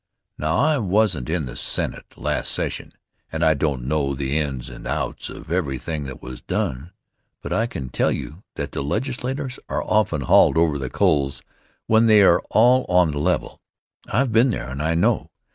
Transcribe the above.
Now, I wasn't in the Senate last session, and I don't know the ins and outs of everything that was done, but I can tell you that the legislators are often hauled over the coals when they are all on the level I've been there and I know.